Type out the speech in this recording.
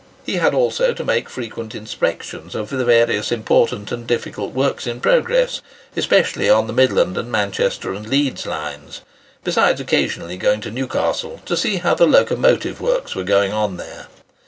He had also to make frequent inspections of the various important and difficult works in progress, especially on the Midland and Manchester and Leeds lines; besides occasionally going to Newcastle to see how the locomotive works were going on there.